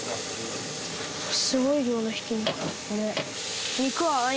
すごい量の挽き肉。